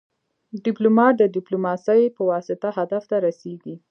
ډيپلومات د ډيپلوماسي پواسطه هدف ته رسیږي.